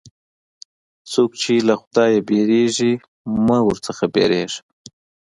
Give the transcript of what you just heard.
څوک چې له خدایه وېرېږي، مه وېرېږه.